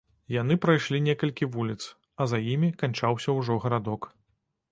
Яны прайшлі некалькі вуліц, а за імі канчаўся ўжо гарадок.